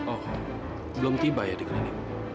oh belum tiba ya di klinik